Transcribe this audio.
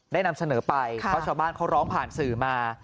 นำเสนอไปเพราะชาวบ้านเขาร้องผ่านสื่อมา